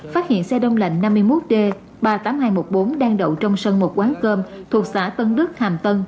phát hiện xe đông lạnh năm mươi một d ba mươi tám nghìn hai trăm một mươi bốn đang đậu trong sân một quán cơm thuộc xã tân đức hàm tân